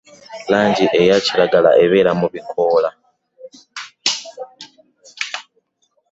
Langi eyaakiragala ebeera mu bikoola.